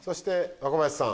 若林さん。